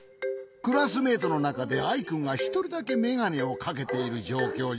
クラスメートのなかでアイくんがひとりだけめがねをかけているじょうきょうじゃ。